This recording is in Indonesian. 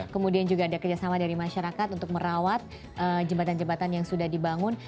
kemudian juga ada kerjasama dari masyarakat untuk merawat jembatan jembatan yang sudah dibangun